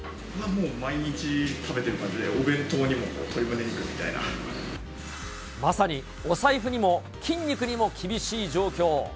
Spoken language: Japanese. もう毎日食べてる感じで、まさにお財布にも筋肉にも厳しい状況。